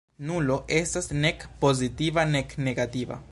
Nulo estas nek pozitiva nek negativa.